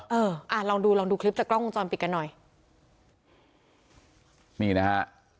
เหรอเอออ่าลองดูลองดูคลิปจากกล้องโครงจอมปิดกันหน่อยนี่นะฮะ